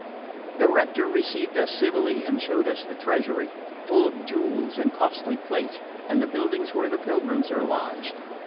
The Rector received us civilly and showed us the treasury, full of jewels and costly plate, and the buildings where the pilgrims are lodged.